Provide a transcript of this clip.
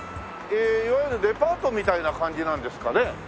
いわゆるデパートみたいな感じなんですかね？